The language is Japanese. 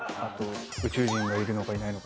宇宙人がいるのかいないのか。